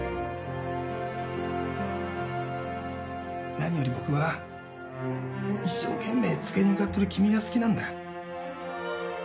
何より僕は一生懸命机に向かってる君が好きなんだ。